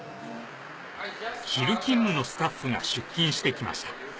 昼勤務のスタッフが出勤してきました。